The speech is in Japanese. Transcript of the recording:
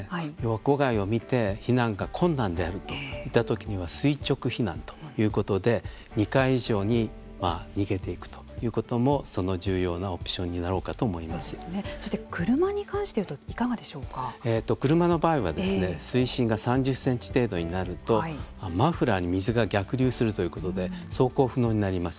屋外を見て避難が困難であるということは垂直避難といったときには垂直避難ということで２階以上に逃げていくということもその重要なオプションになろうかそれに関して言うと車の場合は水深が３０センチ程度になるとマフラーに水が逆流するということで走行不能になります。